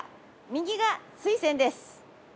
右がスイセンです。